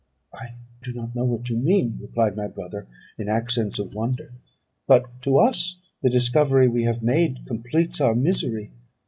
"I do not know what you mean," replied my brother, in accents of wonder, "but to us the discovery we have made completes our misery.